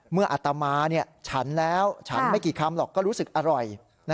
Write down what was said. อัตมาฉันแล้วฉันไม่กี่คำหรอกก็รู้สึกอร่อย